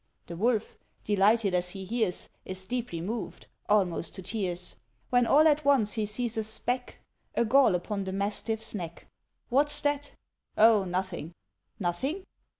The Wolf, delighted, as he hears Is deeply moved almost to tears; When all at once he sees a speck, A gall upon the Mastiff's neck. "What's that?" "Oh, nothing!" "Nothing?"